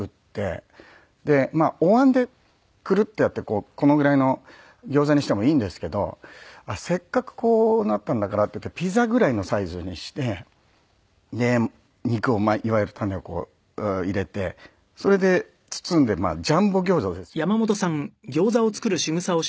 でお椀でクルッてやってこのぐらいのギョーザにしてもいいんですけどせっかくこうなったんだからっていってピザぐらいのサイズにしてで肉をいわゆる種を入れてそれで包んでまあジャンボギョーザですよね。にしてみたり。